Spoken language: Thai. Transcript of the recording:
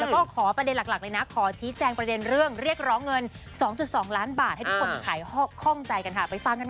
แล้วก็ขอประเด็นหลักเลยนะขอชี้แจงประเด็นเรื่องเรียกร้องเงิน๒๒ล้านบาทให้ทุกคนขายข้องใจกันค่ะไปฟังกันค่ะ